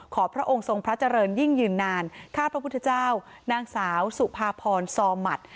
พระองค์ทรงพระเจริญยิ่งยืนนานข้าพระพุทธเจ้านางสาวสุภาพรซอมัติ